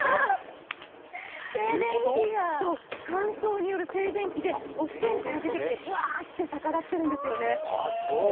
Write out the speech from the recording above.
乾燥による静電気でお布団から出てきてわーっと逆立っているんですよね。